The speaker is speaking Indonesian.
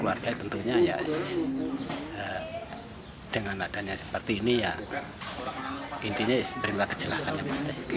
keluarga tentunya ya dengan adanya seperti ini ya intinya berilah kejelasannya pak